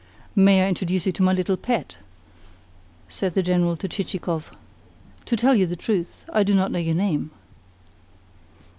"May I introduce you to my little pet?" said the General to Chichikov. "To tell you the truth, I do not know your name."